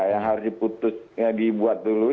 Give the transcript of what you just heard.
yang harus dibuat dulu